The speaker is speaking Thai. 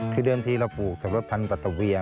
ที่เริ่มที่เราปลูกสับปะรดพันธุ์ปัตเวีย